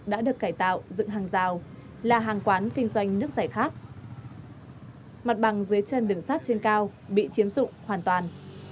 đã xử lý các hành vi vi phạm phạm đường sắt trên cao bị chiếm dụng hoàn toàn